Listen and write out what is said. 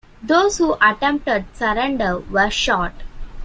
Those who attempted surrender were shot.